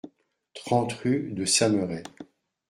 trente rue de Samerey